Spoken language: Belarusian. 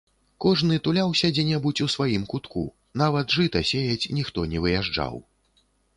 Кожны туляўся дзе-небудзь у сваім кутку, нават жыта сеяць ніхто не выязджаў.